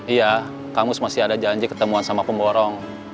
iya kang mus masih ada janji ketemuan sama pemborong